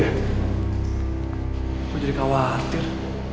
gue jadi khawatir